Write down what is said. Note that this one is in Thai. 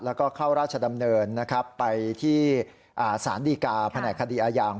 แล้วก็เข้าราชดำเนินนะครับไปที่สารดีกาแผนกคดีอาญา